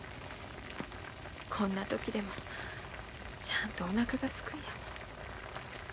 こんな時でもちゃんとおなかがすくんやもん。